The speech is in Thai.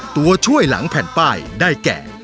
ตัวช่วยหลังแผ่นป้ายได้แก่